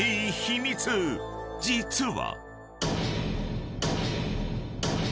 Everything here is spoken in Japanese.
［実は］